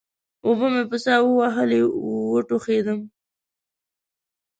اوبه مې په سا ووهلې؛ وټوخېدم.